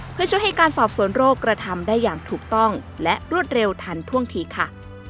เพื่อช่วยให้การสอบสวนโรคกระทำได้อย่างถูกต้องและรวดเร็วทันท่วงทีค่ะ